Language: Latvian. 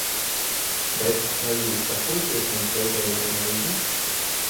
Bet vai jūs sekosiet man pēdējo reizi?